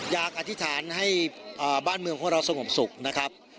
อธิษฐานให้บ้านเมืองของเราสงบสุขนะครับ